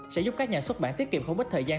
sẽ giúp các nhà xuất bản tiết kiệm không ít thời gian